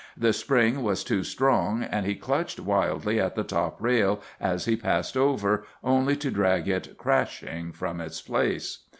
The spring was too strong, and he clutched wildly at the top rail as he passed over, only to drag it crashing from its place.